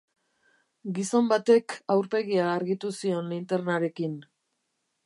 Gizon batek aurpegia argitu zion linternarekin.